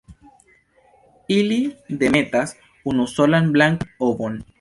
Ili demetas unusolan blankan ovon.